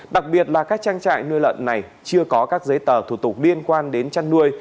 đặc biệt là các trang trại nuôi lợn này chưa có các giấy tờ thủ tục liên quan đến chăn nuôi